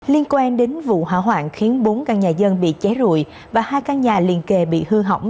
liên quan đến vụ hỏa hoạn khiến bốn căn nhà dân bị cháy rụi và hai căn nhà liền kề bị hư hỏng